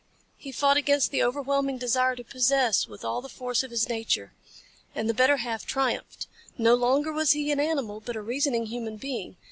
He fought against the overwhelming desire to possess with all the force of his nature. And the better half triumphed. No longer was he an animal, but a reasoning human being.